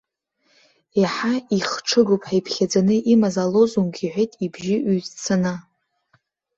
Еиҳа ихҽыгоуп ҳәа иԥхьаӡаны имаз алозунг иҳәеит ибжьы ҩҭцаны.